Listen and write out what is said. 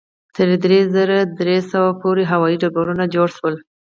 تر درې زره درې سوه پورې هوایي ډګرونه جوړ شول.